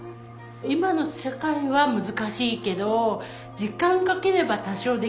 今の社会は難しいけど時間かければ多少できるかな。